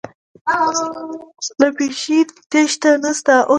له پېښې تېښته نشته، اوس په دې ربړه کې راګیر ووم.